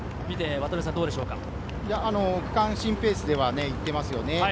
区間新ペースでは行っていますよね。